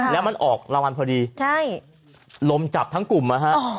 แล้วมันออกรางวัลพอดีใช่ลมจับทั้งกลุ่มนะฮะ